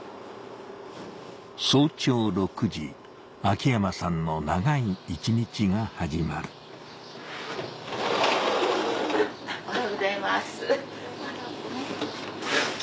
早朝６時秋山さんの長い１日が始まるおはようございます。